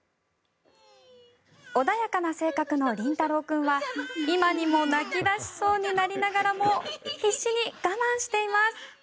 穏やかな性格のりんたろう君は今にも泣き出しそうになりながらも必死に我慢しています。